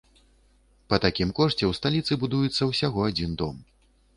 Па такім кошце ў сталіцы будуецца ўсяго адзін дом.